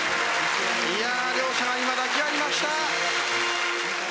両者、今抱き合いました。